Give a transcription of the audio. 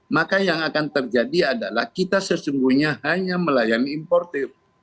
maka yang akan terjadi adalah kita sesungguhnya hanya melayani importif